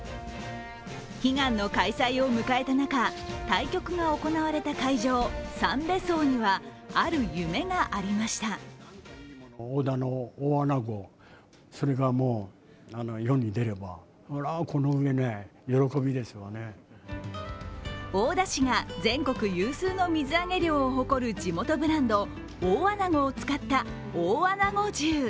悲願の開催を迎えた中、対局が行われた会場、さんべ荘には、ある夢がありました大田市が全国有数の水揚げ量を誇る地元ブランド、大あなごを使った大あなご重。